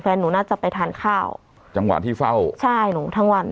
หนูน่าจะไปทานข้าวจังหวะที่เฝ้าใช่หนูทั้งวัน